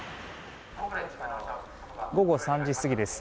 午後３時過ぎです。